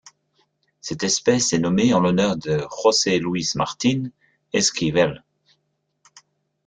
Cette espèce est nommée en l'honneur de José Luis Martín Esquivel.